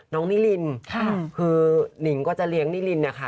น้องนิรินคือหนิงก็จะเลี้ยงนิรินค่ะ